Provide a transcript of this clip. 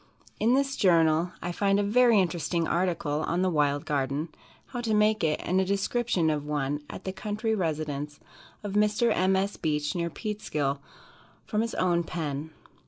In this journal I find a very interesting article on "The Wild Garden," how to make it, and a description of one at the country residence of Mr. M. S. Beach, near Peekskill, from his own pen.